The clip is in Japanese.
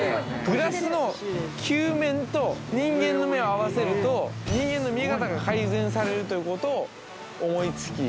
グラスの球面と人間の目を合わせると人間の見え方が改善されるということを思いつき